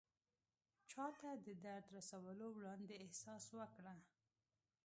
چاته د درد رسولو وړاندې احساس وکړه.